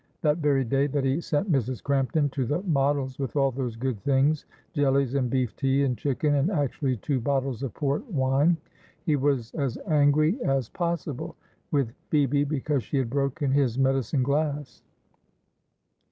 That very day that he sent Mrs. Crampton to the Models with all those good things jellies and beef tea and chicken and actually two bottles of port wine he was as angry as possible with Phoebe, because she had broken his medicine glass.